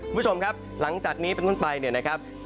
คุณผู้ชมครับหลังจากนี้เป็นต้นไปเนี่ยนะครับ